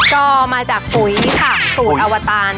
ก็มาจากปุ๋ยค่ะสูตรอวตาร